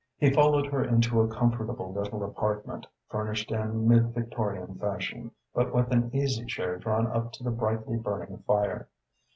He followed her into a comfortable little apartment, furnished in mid Victorian fashion, but with an easy chair drawn up to the brightly burning fire.